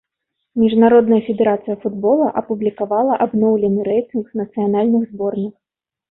Міжнародная федэрацыя футбола апублікавала абноўлены рэйтынг нацыянальных зборных.